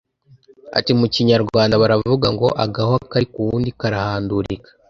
Ati “Mu Kinyarwanda baravuga ngo agahwa kari ku wundi karahandurika